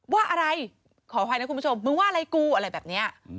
ว่าอะไรขออภัยนะคุณผู้ชมมึงว่าอะไรกูอะไรแบบนี้